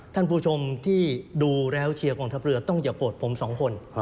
ท่านผู้ชมที่ดูแล้วเชียร์กองทัพเรือต้องอย่าโกรธผมสองคน